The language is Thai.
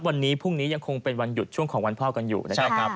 วันนี้พรุ่งนี้ยังคงเป็นวันหยุดช่วงของวันพ่อกันอยู่นะครับ